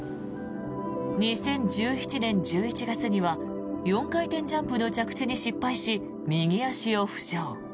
２０１７年１１月には４回転ジャンプの着地に失敗し右足を負傷。